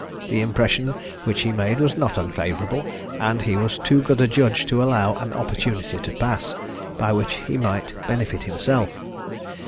The impression which he made was not unfavourable, and he was too good a judge to allow an opportunity to pass, by which he might benefit himself.